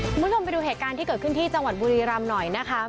คุณผู้ชมไปดูเหตุการณ์ที่เกิดขึ้นที่จังหวัดบุรีรำหน่อยนะคะ